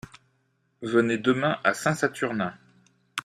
Venez demain à Saint-Saturnin.